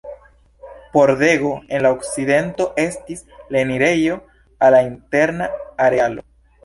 Pordego en la okcidento estis la enirejo al la interna arealo.